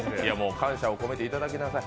感謝を込めていただきなさい。